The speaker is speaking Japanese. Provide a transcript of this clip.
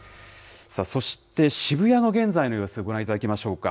そして、渋谷の現在の様子、ご覧いただきましょうか。